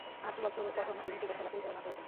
আট বছর প্রথম-শ্রেণীর ক্রিকেট খেলা পরিচালনা করেছেন।